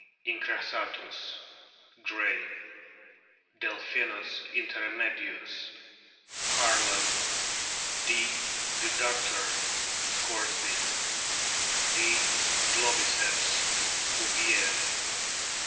incrassatus, Gray ; Delphinus inter me dius, Harlan ; D. deductor, Scoresby ; D. globiccps. Cuvier.